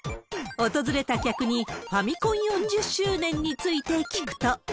訪れた客に、ファミコン４０周年について聞くと。